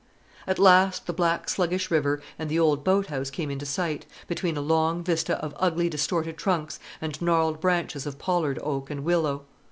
At last the black sluggish river and the old boat house came in sight, between a long vista of ugly distorted trunks and gnarled branches of pollard oak and willow.